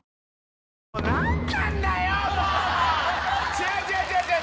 違う違う違う違う！